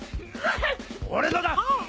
俺のだ！